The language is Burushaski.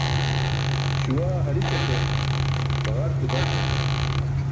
Śuwaa hari̇saṭe, baġarke darcaṭe.